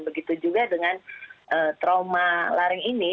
begitu juga dengan trauma laring ini